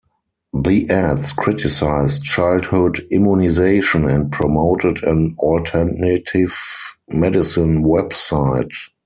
The ads criticized childhood immunization and promoted an alternative medicine website.